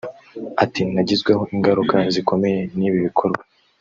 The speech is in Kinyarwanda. Ati “Nagizweho ingaruka zikomeye n’ibi bikorwa